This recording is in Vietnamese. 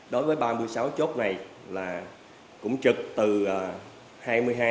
để góp phần giữ gìn an ninh trật tự cũng như là bảo vệ an ninh tổ quốc